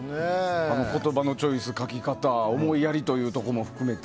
あの言葉のチョイス、書き方思いやりというところも含めて。